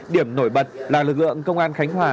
điểm nổi bật là lực lượng công an khánh hòa